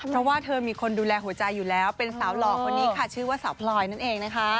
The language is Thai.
เพราะว่าเธอมีคนดูแลหัวใจอยู่แล้วเป็นสาวหล่อคนนี้ค่ะชื่อว่าสาวพลอยนั่นเองนะคะ